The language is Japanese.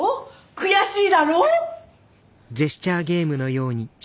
悔しいだろ？